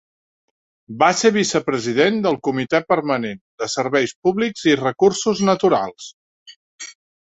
Va ser vicepresident del comitè permanent de serveis públics i recursos naturals.